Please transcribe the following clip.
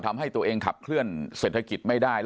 ทำให้ตัวเองขับเคลื่อนเศรษฐกิจไม่ได้